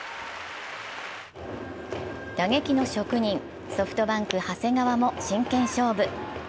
打撃の職人、ソフトバンク・長谷川も真剣勝負。